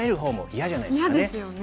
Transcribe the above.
嫌ですよね。